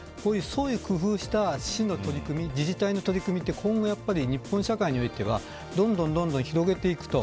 創意工夫した市の取り組み自治体の取り組みはこういう日本社会においてはどんどん広げていくと。